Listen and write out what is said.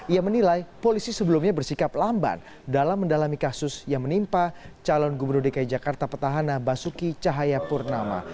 ia menilai polisi sebelumnya bersikap lamban dalam mendalami kasus yang menimpa calon gubernur dki jakarta petahana basuki cahayapurnama